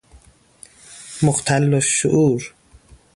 مختل الشعور